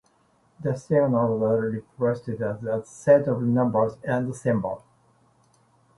The signals are represented as a set of numbers and symbols.